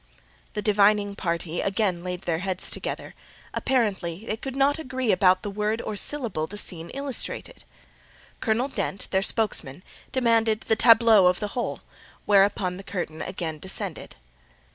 The divining party again laid their heads together: apparently they could not agree about the word or syllable the scene illustrated. Colonel Dent, their spokesman, demanded "the tableau of the whole;" whereupon the curtain again descended.